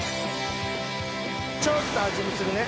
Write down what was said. ちょっと味見するね。